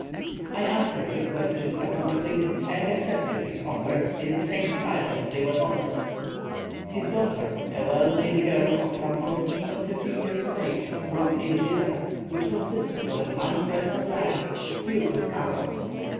I answered his questions laconically, and accepted his offers in the same style as they were offered. His daughter, a well made girl of some fourteen or fifteen years of age, brought in dinner, which consisted of a fine breast of lamb, stewed with carrots.